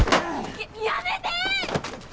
ややめて！